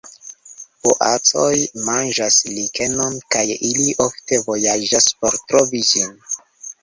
Boacoj manĝas likenon kaj ili ofte vojaĝas por trovi ĝin.